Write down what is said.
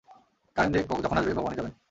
Current যে যখন আসবে ভগবানই জানেন।